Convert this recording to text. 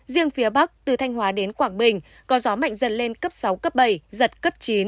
riêng phía bắc từ thanh hóa đến quảng bình có gió mạnh dần lên cấp sáu cấp bảy giật cấp chín